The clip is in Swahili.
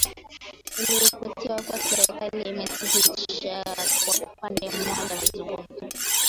Iliripoti kuwa serikali imesitisha kwa upande mmoja mazungumzo